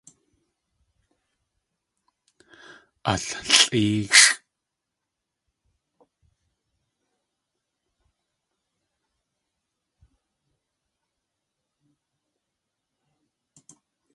Nallʼéexʼ!